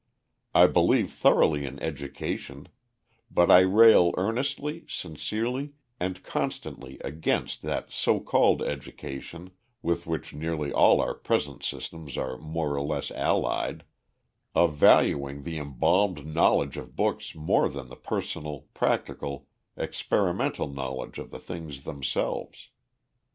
I believe thoroughly in education; but I rail earnestly, sincerely, and constantly against that so called education (with which nearly all our present systems are more or less allied) of valuing the embalmed knowledge of books more than the personal, practical, experimental knowledge of the things themselves.